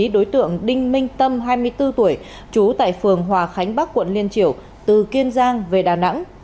đối tượng đinh minh tâm hai mươi bốn tuổi trú tại phường hòa khánh bắc quận liên triều từ kiên giang về đà nẵng